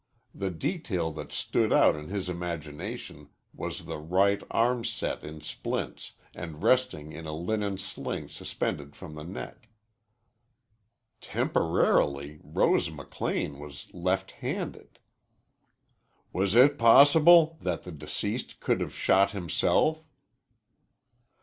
The detail that stood out in his imagination was the right arm set in splints and resting in a linen sling suspended from the neck. Temporarily Rose McLean was left handed. "Was it possible that the deceased could have shot himself?"